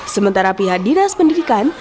sementara pihak dinas pendidikan